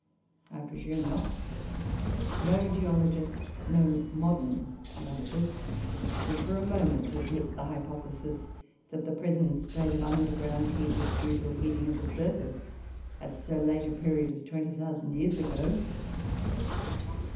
I presume not; no geologist no modern geologist would for a moment admit the hypothesis that the present state of underground heat is due to a heating of the surface at so late a period as 20,000 years ago.